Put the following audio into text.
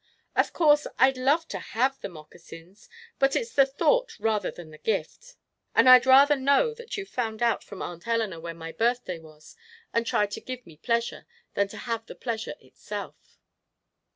Of course, I'd love to have the moccasins, but it's the thought, rather than the gift, and I'd rather know that you found out from Aunt Eleanor when my birthday was, and tried to give me pleasure, than to have the pleasure itself."